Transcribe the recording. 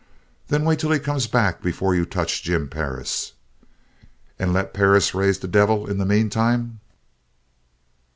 "Then wait till he comes back before you touch Jim Perris." "And let Perris raise the devil in the meantime?"